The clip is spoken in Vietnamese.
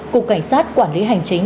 cục cảnh sát quản lý hành chính